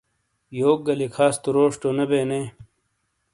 یوک گا لیکھاس تو روش تو نے بے نے؟